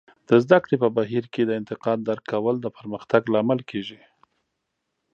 د زده کړې په بهیر کې د انتقاد درک کول د پرمختګ لامل کیږي.